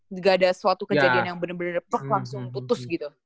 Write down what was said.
nggak ada suatu kejadian yang bener bener plok langsung putus gitu